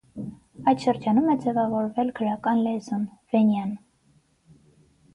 Այդ շրջանում է ձևավորվել գրական լեզուն (վենյան)։